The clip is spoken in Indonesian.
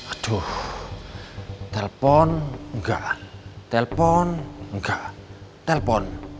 aduh telpon engga telpon engga telpon